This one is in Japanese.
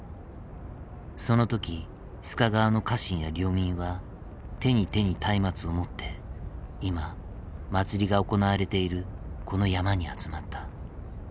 その時須賀川の家臣や領民は手に手に松明を持って今祭りが行われているこの山に集まった。